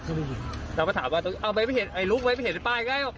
เอาไปถามว่าเอ้ายลุ๊กไว้ไม่เห็นป้ายไง